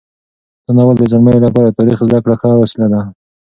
دا ناول د زلمیو لپاره د تاریخ زده کړې ښه وسیله ده.